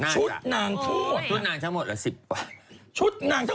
ชุดหนางทั้งหมดเหรอสิบกว่า